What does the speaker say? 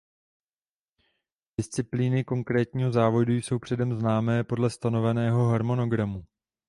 Disciplíny konkrétního závodu jsou předem známy podle stanoveného harmonogramu.